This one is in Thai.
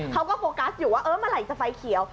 เขาก็โฟกัสอยู่ว่าเออเมื่อไหร่จะไฟเขียว